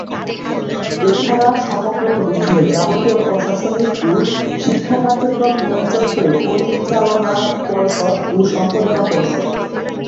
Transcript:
এছাড়া সমগ্র প্রতিষ্ঠানের যাবতীয় প্রশাসনিক ও শিক্ষা কার্যক্রম নিয়ন্ত্রণ করে পরিচালনা পর্ষদ ও সম্পাদনা পর্ষদ।